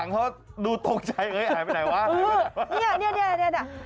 เนี่ยเนี่ยเนี่ยเนี่ยเนี่ยเนี่ยเนี่ย